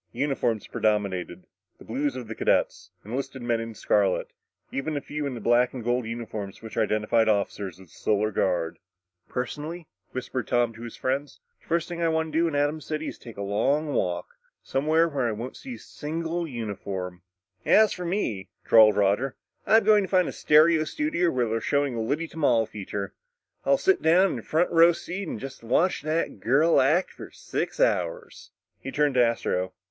Uniforms predominated the blue of the cadets, enlisted men in scarlet, even a few in the black and gold uniforms which identified the officers of the Solar Guard. "Personally," whispered Tom to his friends, "the first thing I want to do at Atom City is take a long walk somewhere where I won't see a single uniform." "As for me," drawled Roger, "I'm going to find a stereo studio where they're showing a Liddy Tamal feature. I'll sit down in a front row seat and just watch that girl act for about six hours." He turned to Astro.